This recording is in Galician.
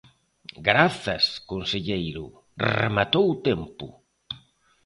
Grazas, conselleiro, rematou o tempo.